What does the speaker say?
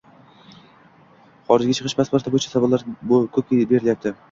xorijga chiqish pasporti bo‘yicha savollar ko‘p berilyapti.